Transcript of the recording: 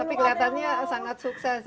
tapi kelihatannya sangat sukses